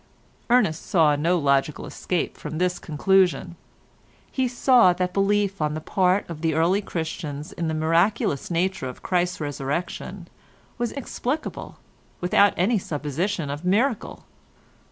Ernest saw no logical escape from this conclusion. He saw that belief on the part of the early Christians in the miraculous nature of Christ's Resurrection was explicable, without any supposition of miracle.